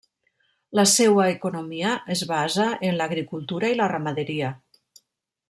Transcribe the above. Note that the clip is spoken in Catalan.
La seua economia es basa en l'agricultura i la ramaderia.